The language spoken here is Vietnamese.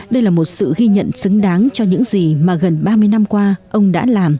đây là một sự ghi nhận xứng đáng cho những gì mà gần ba mươi năm qua